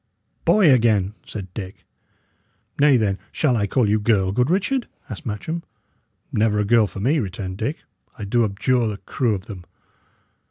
"Boy again!" said Dick. "Nay, then, shall I call you girl, good Richard?" asked Matcham. "Never a girl for me," returned Dick. "I do abjure the crew of them!"